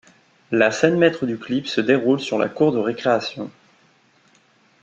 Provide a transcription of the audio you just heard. La scène maître du clip se déroule sur la cour de récréation.